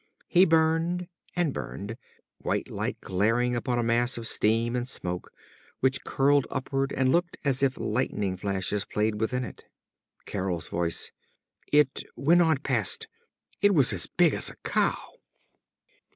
He burned and burned, white light glaring upon a mass of steam and smoke which curled upward and looked as if lightning flashes played within it. Carol's voice; "_It went on past.... It was as big as a cow!